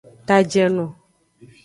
Tajeno.